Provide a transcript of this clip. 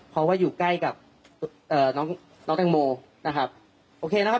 เพราะว่าอยู่ใกล้กับเอ่อน้องน้องแตงโมนะครับโอเคนะครับ